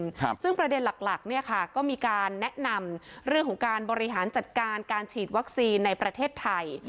ครับซึ่งประเด็นหลักหลักเนี้ยค่ะก็มีการแนะนำเรื่องของการบริหารจัดการการฉีดวัคซีนในประเทศไทย